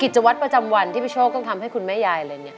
วัตรประจำวันที่พี่โชคต้องทำให้คุณแม่ยายเลยเนี่ย